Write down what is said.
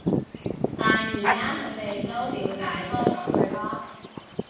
但而家佢哋都了解多咗對方